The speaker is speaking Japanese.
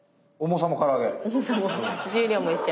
重さも重量も一緒。